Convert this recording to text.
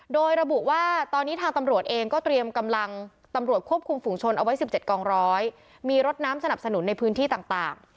โดยระบุว่าตอนนี้ทางตำรวจเองก็เตรียมกำลังตำรวจควบคุมฝุงชนเอาไว้๑๗กองร้อยมีรถน้ำสนับสนุนในพื้นที่ต่าง